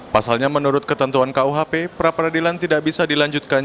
pasalnya menurut ketentuan kuhp pra peradilan tidak bisa dilanjutkan